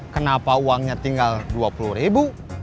kenapa uangnya tinggal dua puluh ribu